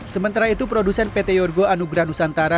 sementara itu produsen pt yorgo anugrah nusantara